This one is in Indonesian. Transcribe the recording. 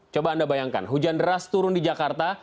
coba anda bayangkan hujan deras turun di jakarta